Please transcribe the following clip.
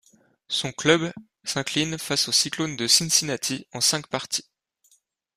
Son club s'incline face aux Cyclones de Cincinnati en cinq parties.